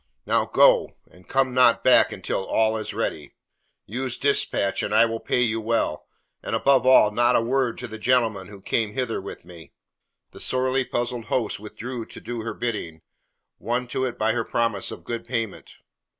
"Now, go, and come not back until all is ready. Use dispatch and I will pay you well, and above all, not a word to the gentleman who came hither with me." The sorely puzzled host withdrew to do her bidding, won to it by her promise of good payment.